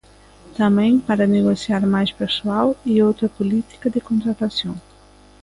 Tamén para negociar máis persoal e outra política de contratación.